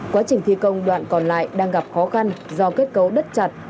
quá trình thi công đoạn còn lại đang gặp khó khăn do kết cấu đất chặt